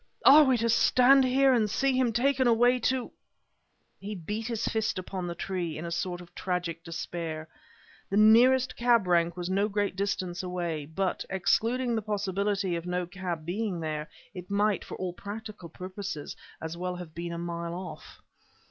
are we to stand here and see him taken away to " He beat his fist upon the tree, in a sort of tragic despair. The nearest cab rank was no great distance away, but, excluding the possibility of no cab being there, it might, for all practical purposes, as well have been a mile off.